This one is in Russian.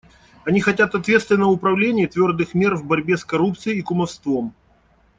Они хотят ответственного управления и твердых мер в борьбе с коррупцией и кумовством.